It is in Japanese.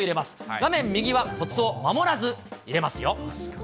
画面右はこつを守らずいれますよ。